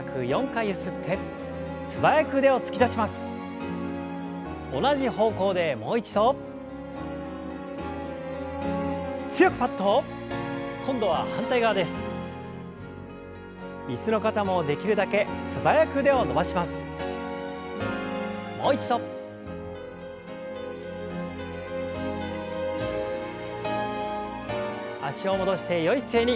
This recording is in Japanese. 脚を戻してよい姿勢に。